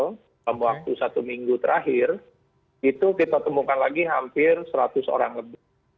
dalam waktu satu minggu terakhir itu kita temukan lagi hampir seratus orang lebih